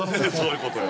そういうことよ。